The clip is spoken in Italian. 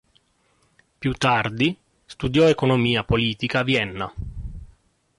Più tardi studiò economia politica a Vienna.